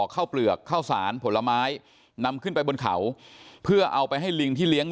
ข้าวเปลือกข้าวสารผลไม้นำขึ้นไปบนเขาเพื่อเอาไปให้ลิงที่เลี้ยง